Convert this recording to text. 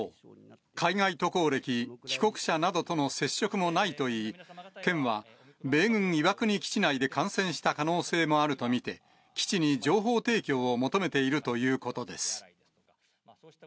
海外渡航歴、帰国者などとの接触もないといい、県は、米軍岩国基地内で感染した可能性もあると見て、基地に情報提供を求めているということです。